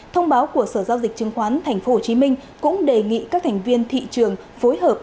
thông báo của sở giao dịch chứng khoán tp hcm cũng đề nghị các thành viên thị trường phối hợp